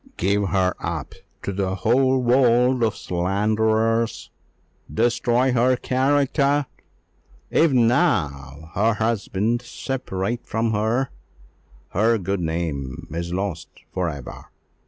"Give her up to the whole world of slanderers! destroy her character! If now her husband separate from her, her good name is lost for ever!